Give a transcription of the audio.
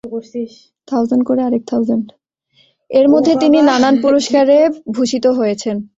এর মধ্যে তিনি নানান পুরস্কারে ভূষিত হয়েছেন।